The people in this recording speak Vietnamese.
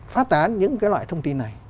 phát tán những cái loại thông tin này